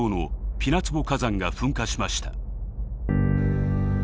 ピナツボ火山が噴火しました。